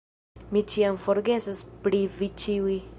Mi ĉiam forgesas pri vi ĉiuj